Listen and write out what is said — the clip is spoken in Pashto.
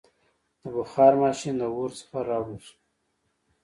• د بخار ماشین د اور څخه راوړل شو.